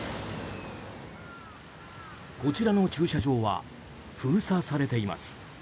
こちらの駐車場は封鎖されています。